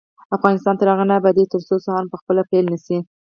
افغانستان تر هغو نه ابادیږي، ترڅو هر سهار مو په هیله پیل نشي.